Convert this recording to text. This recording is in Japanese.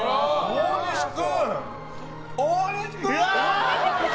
大西君！